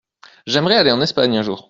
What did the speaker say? J’aimerais aller en Espagne un jour.